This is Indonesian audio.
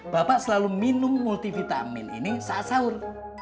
bapak selalu minum multivitamin ini saat sahur